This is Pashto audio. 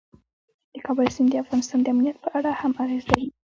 د کابل سیند د افغانستان د امنیت په اړه هم اغېز لري.